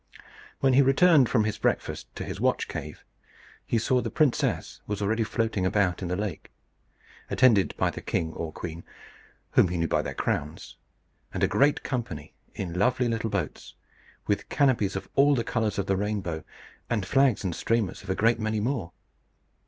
When he returned from his breakfast to his watch cave, he saw the princess already floating about in the lake, attended by the king or queen whom he knew by their crowns and a great company in lovely little boats, with canopies of all the colours of the rainbow, and flags and streamers of a great many more.